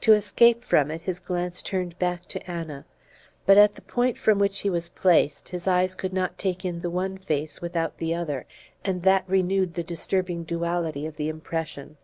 To escape from it, his glance turned back to Anna; but from the point at which he was placed his eyes could not take in the one face without the other, and that renewed the disturbing duality of the impression.